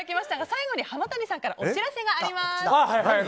最後に浜谷さんからお知らせがあります。